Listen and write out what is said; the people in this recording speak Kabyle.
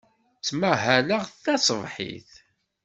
Ttmahaleɣ taṣebḥit.